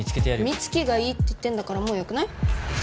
美月がいいって言ってんだからもうよくない？ねえ